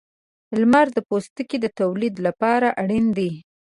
• لمر د پوستکي د تولید لپاره اړین دی.